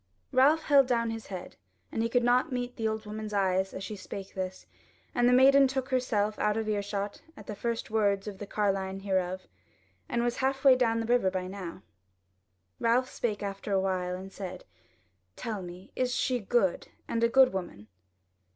Ralph held down his head, and he could not meet the old woman's eyes as she spake thus; and the maiden took herself out of earshot at the first words of the carline hereof, and was halfway down to the river by now. Ralph spake after a while and said: "Tell me, is she good, and a good woman?"